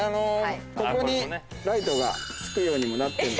ここにライトがつくようにもなってんですよ。